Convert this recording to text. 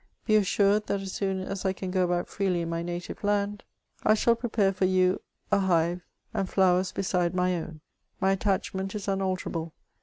Be assured, that as soon as I can go about freely in my native land, I shall prepare for you a hive and flowers beside my own. My attachment is unalterable.